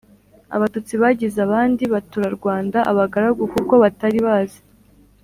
abatutsi bagize abandi baturarwanda abagaragu kuko batari bazi